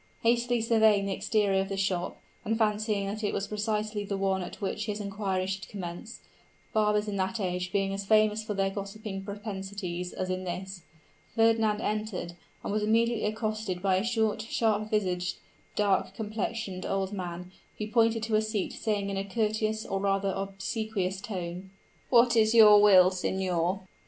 Hastily surveying the exterior of the shop, and fancying that it was precisely the one at which his inquiries should commence barbers in that age being as famous for their gossiping propensities as in this Fernand entered, and was immediately accosted by a short, sharp visaged, dark complexioned old man, who pointed to a seat, saying in a courteous, or rather obsequious tone, "What is your will, signor?"